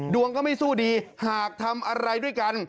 ดวงก็ไม่สู้ดีหากทำอะไรด้วยกัน